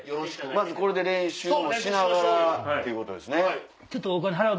まずこれで練習もしながらということですね。